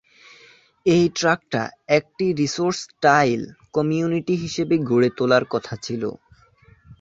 এই ট্র্যাক্টটা একটা resort-style community হিসেবে গড়ে তোলার কথা ছিল।